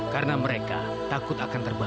karena mereka takut akan terbakar